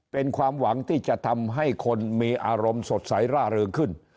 เป็นความหวังที่จะทำให้คนมีอารมณ์สดใสร่าเริงขึ้น